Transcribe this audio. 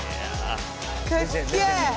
「はい」